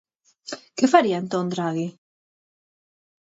Que faría entón Draghi?